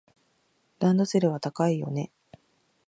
ランドセルは高いよね。